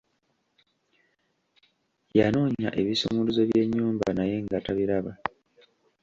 Yanoonya ebisumuluzo by'ennyumba naye nga tabiraba.